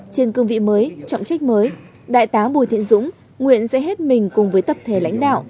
trên cương vị mới trọng trách mới đại tá bùi thiện dũng nguyện sẽ hết mình cùng với tập thể lãnh đạo